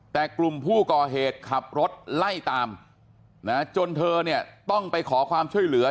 แต่กลุ่มผู้ก่อเหตุขับรถไล่ตามนะจนเธอเนี่ยต้องไปขอความช่วยเหลือ